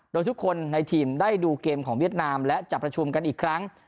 โดยทุกคนในทีมได้ดูเกมของเวียดนามและจะประชุมกันอีกครั้ง